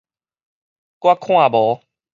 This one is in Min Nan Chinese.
我看無